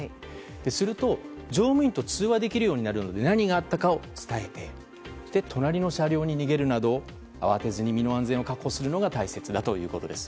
すると、乗務員と通話できるようになるので何があったかを伝えて隣の車両に逃げるなど慌てずに身の安全を確保するのが大切だということです。